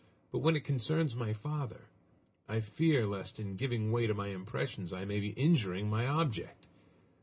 But when it concerns my father, I fear lest in giving way to my impressions I may be injuring my object!